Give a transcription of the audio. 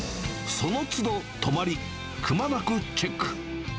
そのつど、止まり、くまなくチェック。